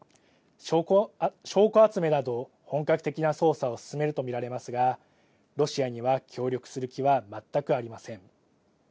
証拠集めなど本格的な捜査を進めると見られますが、ロシアには協力する気は全くありません。